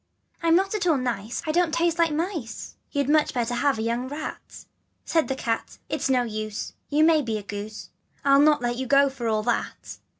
I'm not at all nice, I don't taste like mice : You'd much better have a young rat. " Said the cat, " It's no use, You may be a goose, I'll not let you go for all that.